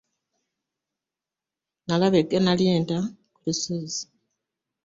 Nalaba eggana ly'enda ku lusozi.